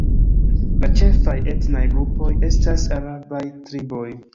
La ĉefaj etnaj grupoj estas arabaj triboj.